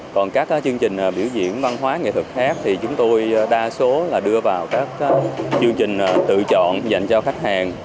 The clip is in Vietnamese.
còn các chương trình biểu diễn văn hóa nghệ thuật khác thì chúng tôi đa số là đưa vào các chương trình tự chọn dành cho khách hàng